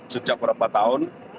sejak beberapa tahun